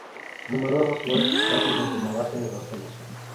Numerosas flores casi desde la base de los tallo.